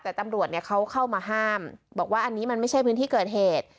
แต่ตำรวจเนี่ยเขาเข้ามาห้ามบอกว่าอันนี้มันไม่ใช่พื้นที่เกิดเหตุ